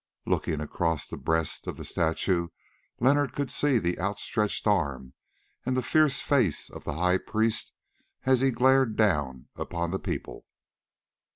Looking across the breast of the statue, Leonard could just see the outstretched arm and the fierce face of the high priest as he glared down upon the people.